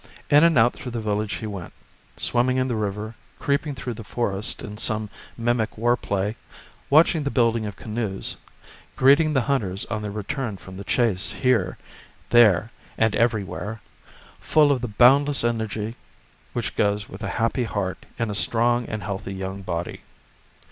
In and out through the village he went, swimming in the river, creeping through the forest in some mimic war play, watching the building of canoes, greeting the (hunters on their return from the chase here, there and everywhere, full of the 'boundless energy which goes with a happy heart in a strong and healthy young body.